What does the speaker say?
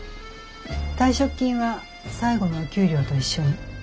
退職金は最後のお給料と一緒に。